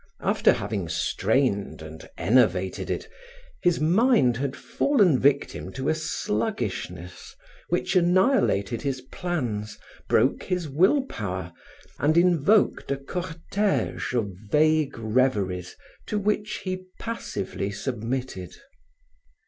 After having strained and enervated it, his mind had fallen victim to a sluggishness which annihilated his plans, broke his will power and invoked a cortege of vague reveries to which he passively submitted.